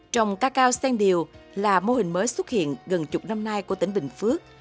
trồng cacao sen điều là mô hình mới xuất hiện gần chục năm nay của tỉnh bình phước